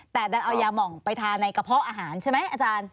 แต่ดันเอายาหม่องไปทาในกระเพาะอาหารใช่ไหมอาจารย์